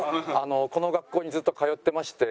この学校にずっと通ってまして。